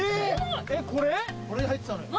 これに入ってたのよ。